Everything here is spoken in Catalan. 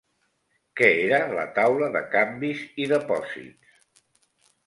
Què era la Taula de Canvis i Depòsits?